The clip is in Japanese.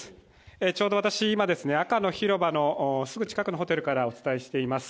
ちょうど私、今、赤の広場のすぐ近くのホテルからお伝えしています。